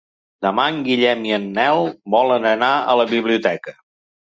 Demà en Guillem i en Nel volen anar a la biblioteca.